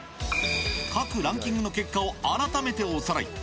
各ランキングの結果を改めておさらい。